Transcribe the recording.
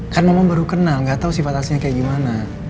kan mama baru kenal gak tau sifat aslinya kayak gimana